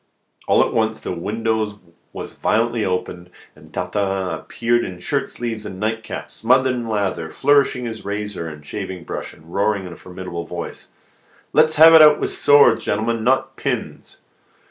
All at once the window was violently opened, and Tartarin appeared in shirt sleeves and nightcap, smothered in lather, flourishing his razor and shaving brush, and roaring with a formidable voice: "Let's have it out with swords, gentlemen, not pins!"